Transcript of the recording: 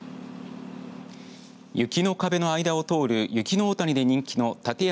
雪の壁の間を通る雪の大谷で人気の立山